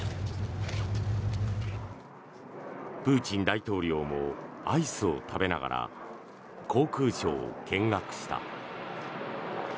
プーチン大統領もアイスを食べながら航空ショーを見学した。